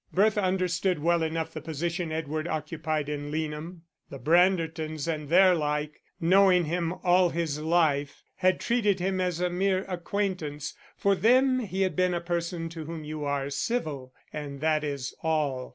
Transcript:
Bertha understood well enough the position Edward occupied in Leanham; the Brandertons and their like, knowing him all his life, had treated him as a mere acquaintance: for them he had been a person to whom you are civil, and that is all.